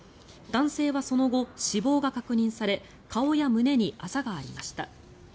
男性はその後、死亡が確認され顔や胸にあざがありました。